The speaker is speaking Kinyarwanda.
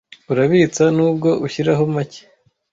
urabitsa nubwo ushyiraho macye